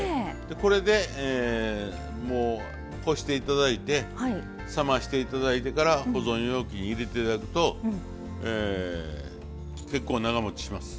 これでこして頂いて冷まして頂いてから保存容器に入れて頂くと結構長もちします。